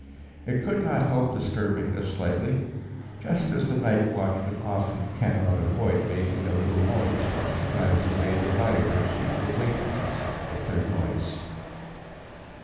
It could not help disturbing us slightly, just as the night watchman often cannot avoid making a little noise while he drives away the rioters who would awaken us with their noise.